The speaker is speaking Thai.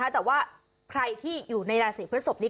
แต่ว่าใครที่อยู่ในราศีพฤศพนี้